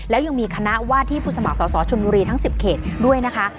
แล้วยังมีคณะวาดที่ผู้สมัครสอสอชนบุรีทั้ง๑๐เขตด้วยนะคะ